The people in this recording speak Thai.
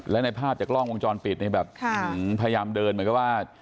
และในภาพจากกล้องวงจรปิดเนี่ยแบบพยายามเดินเหมือนกับว่า